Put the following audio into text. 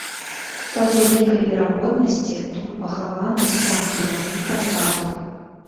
Па вялікай верагоднасці, тут пахаваны і сам кіраўнік атраду.